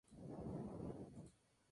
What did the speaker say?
Aprendió composición con Charles Koechlin.